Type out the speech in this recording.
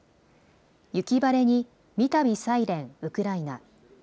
雪晴れにみたびサイレンウクライナ。